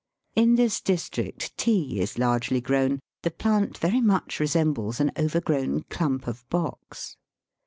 In this district tea is largely grown. The plant very much resembles an overgrown clump of box.